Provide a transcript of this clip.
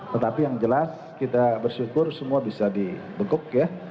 tetapi yang jelas kita bersyukur semua bisa dibekuk ya